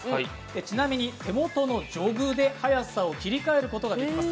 ちなみに手元のジョグで速さを切り替えることができます。